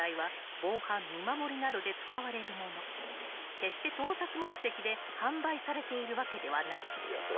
［決して盗撮目的で販売されているわけではない］